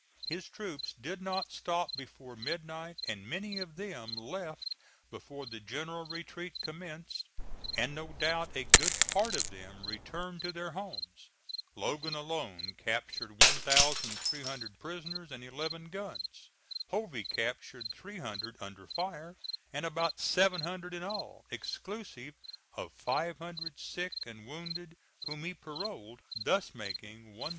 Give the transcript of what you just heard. His troops did not stop before midnight and many of them left before the general retreat commenced, and no doubt a good part of them returned to their homes. Logan alone captured 1,300 prisoners and eleven guns. Hovey captured 300 under fire and about 700 in all, exclusive of 500 sick and wounded whom he paroled, thus making 1,200.